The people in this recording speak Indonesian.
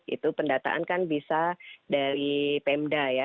itu pendataan kan bisa dari pemda ya